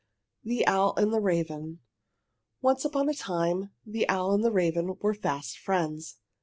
THE OWL AND THE RAVEN Once upon a time the owl and the raven were fast friends.